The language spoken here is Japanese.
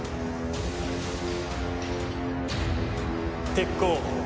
鉄鋼！